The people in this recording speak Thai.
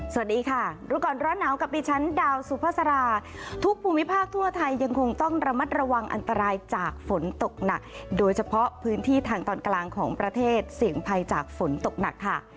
สวัสดีค่ะรู้ก่อนร้อนหนาวกับดิฉันดาวสุภาษาทุกภูมิภาคทั่วไทยยังคงต้องระมัดระวังอันตรายจากฝนตกหนักโดยเฉพาะพื้นที่ทางตอนกลางของประเทศเสี่ยงภัยจากฝนตกหนักค่ะ